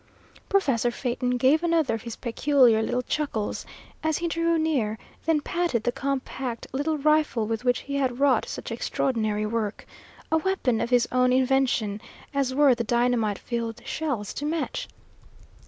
Professor Phaeton gave another of his peculiar little chuckles, as he drew near, then patted the compact little rifle with which he had wrought such extraordinary work: a weapon of his own invention, as were the dynamite filled shells to match.